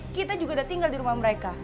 kita juga udah tinggal di rumah mereka